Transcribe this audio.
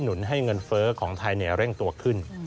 นุนให้เงินเฟ้อของไทยเร่งตัวขึ้น